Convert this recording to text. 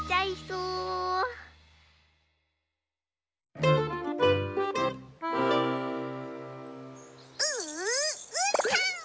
ううーたん！